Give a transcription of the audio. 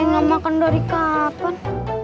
nggak makan dari kapan